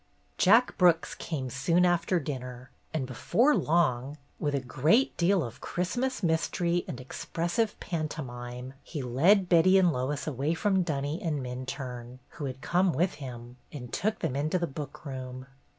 Jack Brooks came soon after dinner, and before long, with a great deal of Christmas mystery and expressive pantomime, he led Betty and Lois away from Dunny and Min turne, who had come with him, and took them into the book room.